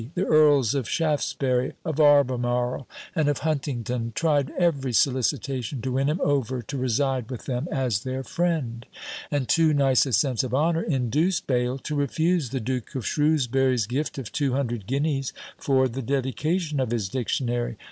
The Earls of Shaftesbury, of Albemarle, and of Huntingdon tried every solicitation to win him over to reside with them as their friend; and too nice a sense of honour induced Bayle to refuse the Duke of Shrewsbury's gift of two hundred guineas for the dedication of his Dictionary.